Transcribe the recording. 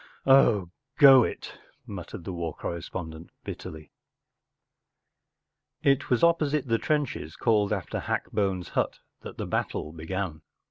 “ Oh, go it! ” muttered the war corre¬ spondent, bitterly. Vol. xxvi. 96. II. It was opposite the trenches called after Hackbone’s Hut that the battle began.